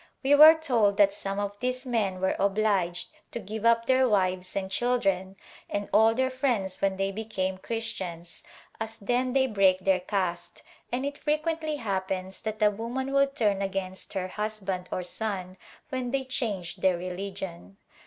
We were told that some of these men were obliged to give up their wives and children and all their friends when they became Christians, as then they break their caste, and it fre quently happens that a woman will turn against her husband or son when they change their religion.